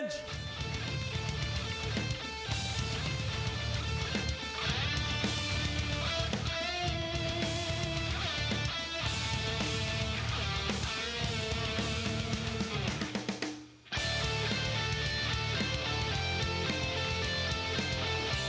สวัสดีครับ